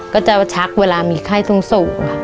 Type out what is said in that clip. ก็จะชักเวลามีไข้สูงค่ะ